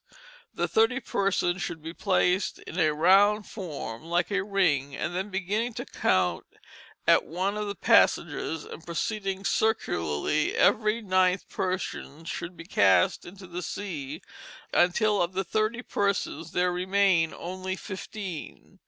the thirty persons should be placed in a round form like a Ring, and then beginning to count at one of the Passengers, and proceeding circularly, every ninth person should be cast into the Sea, until of the thirty persons there remained only fifteen.